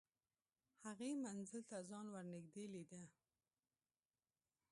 هغې منزل ته ځان ور نږدې لیده